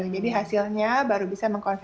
jadi hasilnya baru bisa mengkonsumsi